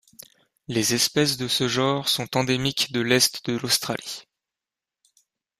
Les espèces de ce genre sont endémiques de l'Est de l'Australie.